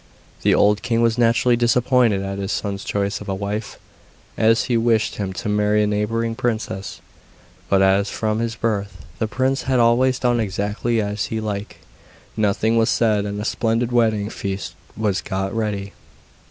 The old king was naturally disappointed at his son's choice of a wife, as he wished him to marry a neighbouring princess; but as from his birth the prince had always done exactly as he like, nothing was said and a splendid wedding feast was got ready.